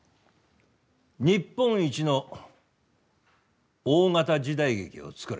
日本一の大型時代劇を作れ。